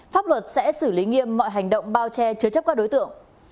pháp luật sẽ xử lý nghiêm mọi hành động bao che chứa chấp các đối tượng